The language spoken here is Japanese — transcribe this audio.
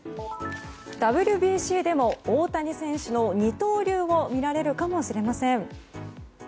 ＷＢＣでも大谷選手の二刀流を見られるかもしれません。